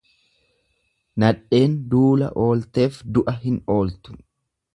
Nadheen duula oolteef du'a hin ooltu.